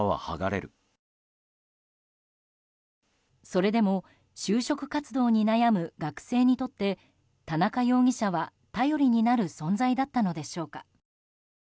それでも就職活動に悩む学生にとって田中容疑者は頼りになる存在だったのでしょうか。